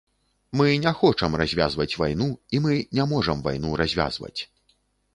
Мы не хочам развязваць вайну, і мы не можам вайну развязваць.